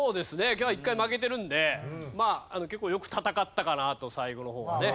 今日は一回負けてるんでまあ結構よく戦ったかなと最後の方はね思いますけど。